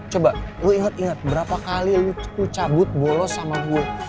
coba lo inget inget berapa kali lo cabut bolos sama gue